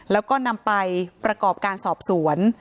แล้วก็นำไปประกอบการสอบสวน